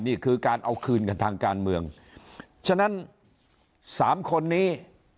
นี่คือการเอาคืนกันทางการเมืองฉะนั้นสามคนนี้